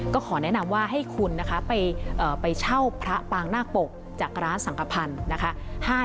ก็ขอแนะนำว่าให้คุณนะคะไปเช่าพระปางนาคปกจากร้านสังกภัณฑ์นะคะ